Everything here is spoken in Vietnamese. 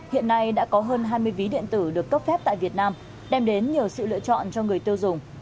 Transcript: hiện nay đã có hơn hai mươi ví điện tử được cấp phép tại việt nam đem đến nhiều sự lựa chọn cho người tiêu dùng